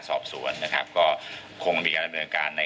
สอบสวนนะครับก็คงมีการดำเนินการใน